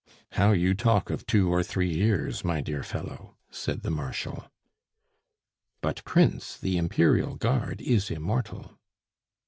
"How you talk of two or three years, my dear fellow!" said the Marshal. "But, Prince, the Imperial Guard is immortal."